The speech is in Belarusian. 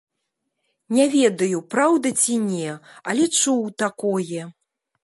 Не ведаю, праўда ці не, але чуў такое.